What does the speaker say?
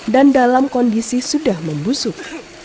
dan dalam kondisi sudah membusuk